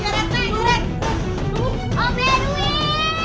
lihat itu lihat itu